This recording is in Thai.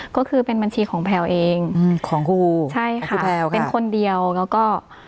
ก็คือเป็นบัญชีของแพลวเองของคู่ใช่ค่ะคู่แพลวค่ะเป็นคนเดียวแล้วก็